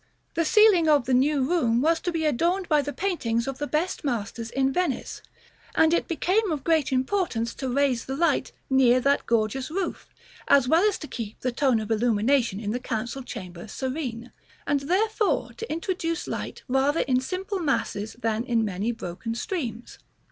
The ceiling of the new room was to be adorned by the paintings of the best masters in Venice, and it became of great importance to raise the light near that gorgeous roof, as well as to keep the tone of illumination in the Council Chamber serene; and therefore to introduce light rather in simple masses than in many broken streams.